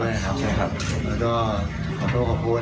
แล้วก็ขอโทษขอบคุณ